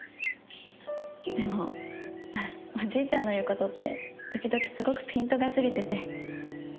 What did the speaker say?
でもおじいちゃんの言う事って時々すごくピントがずれてて。